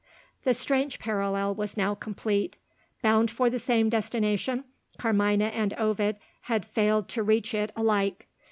The strange parallel was now complete. Bound for the same destination, Carmina and Ovid had failed to reach it alike.